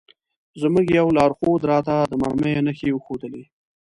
زموږ یوه لارښود راته د مرمیو نښې وښودلې.